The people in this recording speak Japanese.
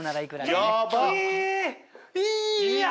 いや！